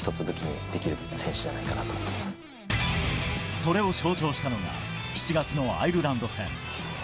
それを象徴したのが７月のアイルランド戦。